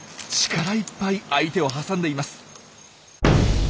力いっぱい相手を挟んでいます。